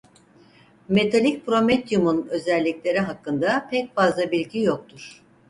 Metalik prometyumun özellikleri hakkında pek fazla bilgi yoktur.